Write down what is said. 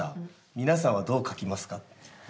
皆さんは、どう書きますか？